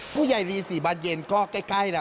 ผู้ใหญ่ดีสี่บานเย็นก็ใกล้นะ